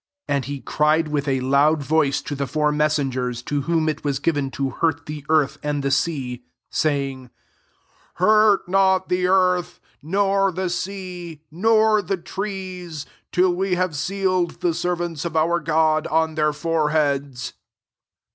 And he cried with I loud voice to the four messen gers to whom it was given to lurt the " earth and the sea, 3 ta3ring, "Hurt not the earth, lor the sea, nor the trees, till re hftve sealed the servants of )ur God on their foreheads.''